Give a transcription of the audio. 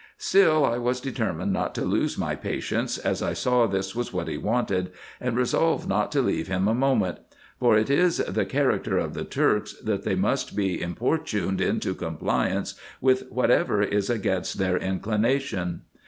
Still I was determined not to lose my patience, as I saw this was what he wanted, and resolved not to leave him a moment ; for it is the character of the Turks, that they must be importuned into compliance with whatever is against their in clination.